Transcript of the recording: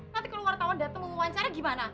nanti keluar tahun datang mau wawancara gimana